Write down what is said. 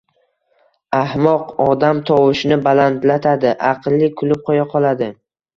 Ahmoq odam tovushini balandlatadi, aqlli kulib qoʻya qoladi